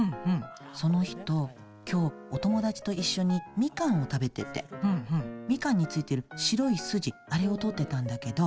その人、きょう、お友達と一緒にみかんを食べててみかんについてる白い筋あれを取ってたんだけど。